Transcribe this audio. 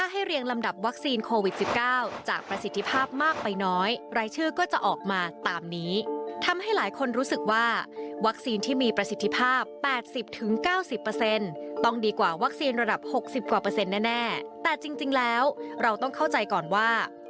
ให้มากยิ่งขึ้นจากรายงานของเราค่ะ